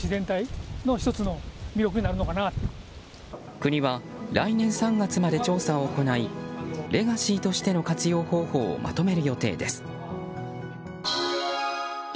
国は来年３月まで調査を行いレガシーとしての活用方法をまとめる予定です。